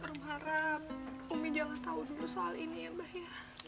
berharap umi jangan tahu dulu soal ini ya mbak ya